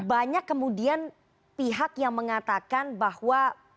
banyak kemudian pihak yang mengatakan bahwa